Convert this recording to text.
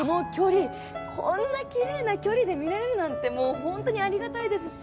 こんなきれいな距離で見られるなんて本当にありがたいですし。